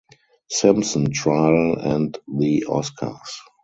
Simpson trial and the Oscars.